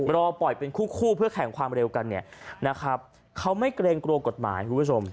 รอปล่อยเป็นคู่คู่เพื่อแข่งความเร็วกันเนี่ยนะครับเขาไม่เกรงกลัวกฎหมายคุณผู้ชม